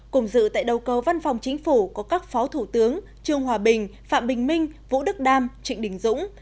cùng dự tại đầu cầu văn phòng chính phủ có các phó thủ tướng trương hòa bình phạm bình minh vũ đức đam trịnh đình dũng